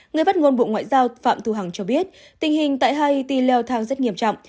người phát ngôn bộ ngoại giao phạm thu hằng cho biết tình hình tại haiti leo thang rất nghiêm trọng